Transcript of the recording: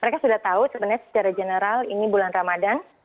mereka sudah tahu sebenarnya secara general ini bulan ramadan